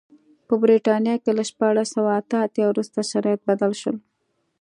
په برېټانیا کې له شپاړس سوه اته اتیا وروسته شرایط بدل شول.